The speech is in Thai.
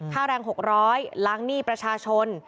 ค่าแรง๖๐๐ล้างหนี้ประชาชน